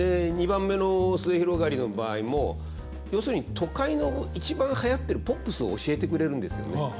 ２番目の「末広がり」の場合も要するに都会の一番はやってるポップスを教えてくれるんですよね。